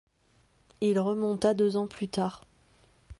Il remonta deux ans plus tard.